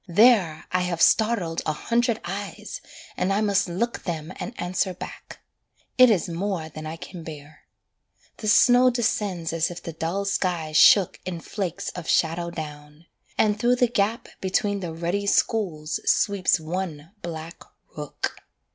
There, I have startled a hundred eyes, and I must look Them an answer back. It is more than I can bear. The snow descends as if the dull sky shook In flakes of shadow down; and through the gap Between the ruddy schools sweeps one black rook.